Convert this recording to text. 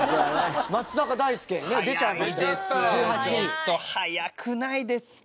ちょっと早くないですか？